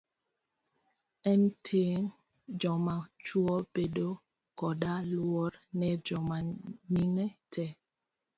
En ting' joma chuo bedo koda luor ne joma mine tee.